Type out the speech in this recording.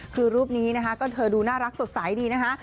คือรูปนี้นะคะก็เธอดูน่ารักสดใสดีนะคะ